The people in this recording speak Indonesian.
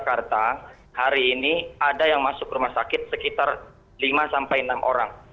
di jakarta hari ini ada yang masuk rumah sakit sekitar lima sampai enam orang